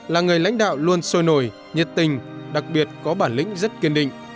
là người lãnh đạo luôn sôi nổi nhiệt tình đặc biệt có bản lĩnh rất kiên định